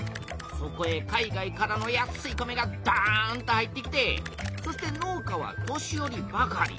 そこへ海外からの安い米がどんと入ってきてそして農家は年よりばかり。